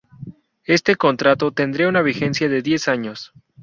Este contrato tendría una vigencia de diez años.